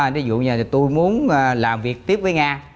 ví dụ như tôi muốn làm việc tiếp với nga